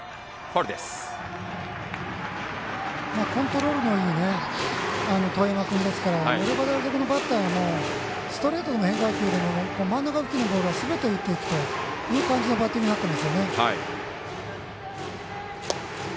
コントロールのいい當山君ですから盛岡大付属のバッターもストレートでも、変化球でも真ん中付近のボールはすべて打っていく感じのバッティングになっていますね。